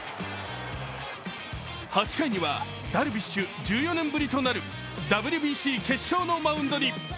８回にはダルビッシュ、１４年ぶりとなるＷＢＣ決勝のマウンドに。